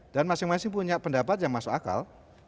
dan masing masing punya pendapat yang masuk akal